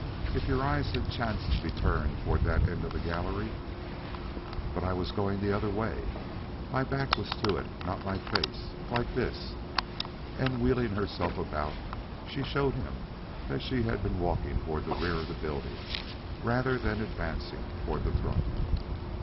"If your eyes had chanced to be turned toward that end of the gallery " "But I was going the other way. My back was to it, not my face like this." And wheeling herself about, she showed him that she had been walking toward the rear of the building rather than advancing toward the front.